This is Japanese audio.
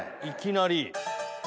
いきなり？